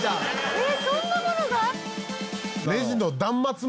えっそんなものが？